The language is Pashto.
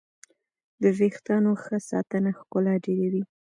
د ویښتانو ښه ساتنه ښکلا ډېروي.